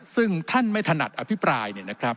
ซึ่งท่านไม่ถนัดอภิปราย